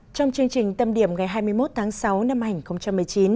trong chương trình tâm điểm ngày hai mươi một tháng sáu năm hai nghìn một mươi chín